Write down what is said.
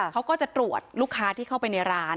เขาก็จะตรวจลูกค้าที่เข้าไปในร้าน